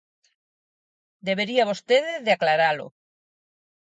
Debería vostede de aclaralo.